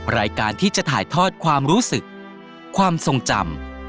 รายการที่จะถ่ายทอดความรู้สึกความทรงจำ